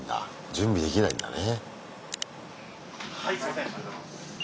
準備できないんだね。